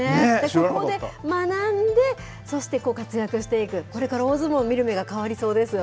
そこで学んで、そして、活躍していく、これから大相撲を見る目が変わりそうですよ。